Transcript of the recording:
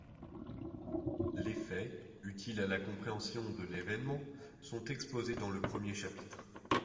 Les faits, utiles à la compréhension de l’événement, sont exposés dans le premier chapitre.